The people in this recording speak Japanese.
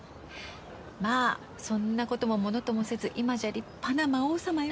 まあそんなこともものともせず今じゃ立派な魔王様よ。